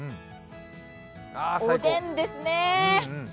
おでんですね。